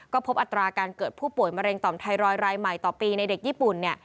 ก็พบอัตราการเกิดผู้ป่วยมะเร็งต่อมไทรอยดรายใหม่ต่อปีในเด็กญี่ปุ่น